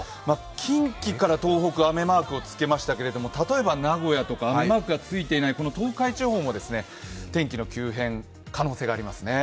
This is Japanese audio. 近畿から東北雨マークをつけましたけれども、例えば名古屋とか雨マークがついていないこの東海地方も天気の急変、可能性がありますね。